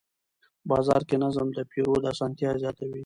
بازار کې نظم د پیرود اسانتیا زیاتوي